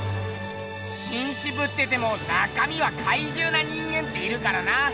しんしぶってても中みはかいじゅうな人間っているからな。